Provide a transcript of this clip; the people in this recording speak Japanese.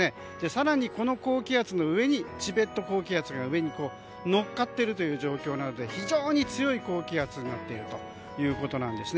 更にこの高気圧の上にチベット高気圧が上に乗っかっているという状況なので非常に強い高気圧になっているということなんです。